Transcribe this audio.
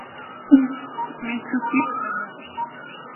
Mitsuki Watanabe